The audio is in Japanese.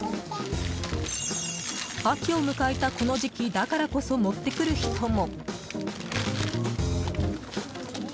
秋を迎えたこの時期だからこそ持ってくる人も。